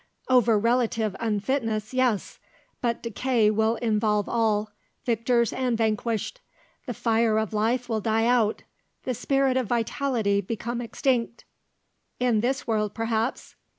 "Over relative unfitness, yes. But decay will involve all, victors and vanquished. The fire of life will die out, the spirit of vitality become extinct." "In this world perhaps."